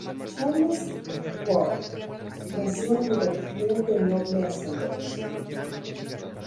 Charles Booth nació en Liverpool de noble ascendencia.